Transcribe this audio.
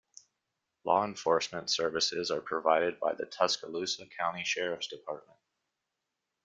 Law enforcement services are provided by the Tuscaloosa County Sheriff's Department.